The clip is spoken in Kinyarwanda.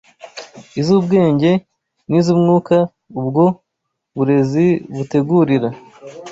iz’ubwenge n’iz’umwuka. Ubwo burezi butegurira